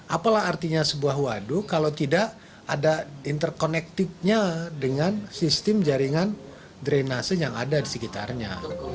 apalah artinya sebuah waduk kalau tidak ada interconnectednya dengan sistem jaringan drenase yang ada di sekitarnya